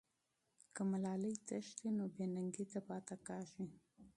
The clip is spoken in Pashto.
که ملالۍ تښتي، نو بې ننګۍ ته پاتې کېږي.